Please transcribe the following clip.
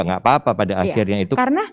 enggak apa apa pada akhirnya itu karena